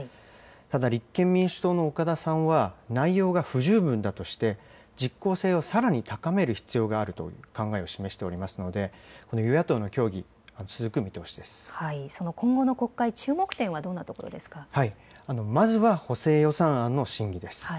ただ、立憲民主党の岡田さんは、内容が不十分だとして、実効性をさらに高める必要があるという考えを示しておりますので、その今後の国会、まずは補正予算案の審議です。